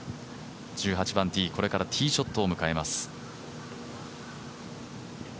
１８番ティー、これからティーショットを迎えます。